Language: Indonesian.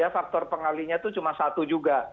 faktor pengalinya itu cuma satu juga